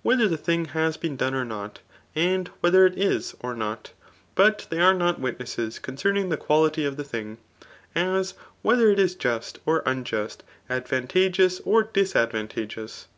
whether the thing has been done or not ; and ^dietber it is, or not. But they are not wimesses concemiag the quality of the thmg ; as, whether it is ^ist cmt unjust* advantageous or disadvantageous.